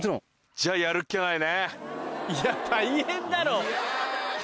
じゃあやるっきゃないね。